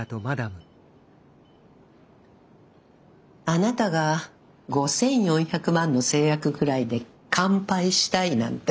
あなたが５，４００万の成約くらいで乾杯したいなんて意外ね。